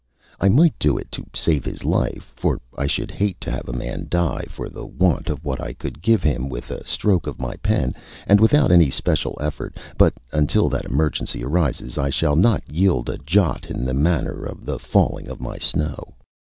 I might do it to save his life, for I should hate to have a man die for the want of what I could give him with a stroke of my pen, and without any special effort, but until that emergency arises I shall not yield a jot in the manner of the falling of my snow.